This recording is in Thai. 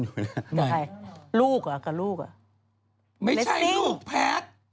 ไม่ใช่ลูกแผด